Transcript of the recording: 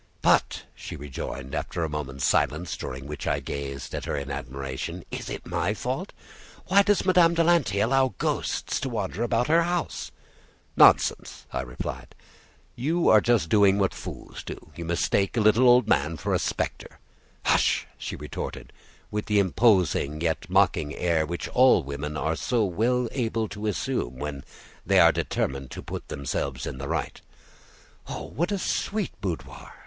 "But," she rejoined, after a moment's silence, during which I gazed at her in admiration, "is it my fault? Why does Madame de Lanty allow ghosts to wander round her house?" "Nonsense," I replied; "you are doing just what fools do. You mistake a little old man for a spectre." "Hush," she retorted, with the imposing, yet mocking, air which all women are so well able to assume when they are determined to put themselves in the right. "Oh! what a sweet boudoir!"